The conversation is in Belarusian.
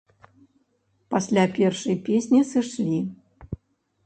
Пасля першай песні сышлі.